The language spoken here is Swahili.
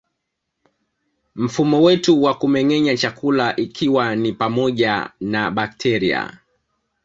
Mfumo wetu wa kumengenya chakula ikiwa ni pamoja na bakteria